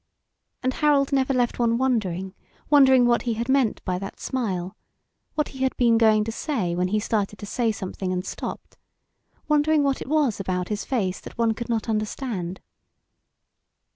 And Harold never left one wondering wondering what he had meant by that smile, what he had been going to say when he started to say something and stopped, wondering what it was about his face that one could not understand.